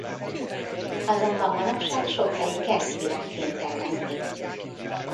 Azonban manapság sokfelé kerti virágként termesztik.